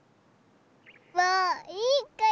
もういいかい？